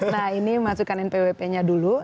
nah ini masukkan npwp nya dulu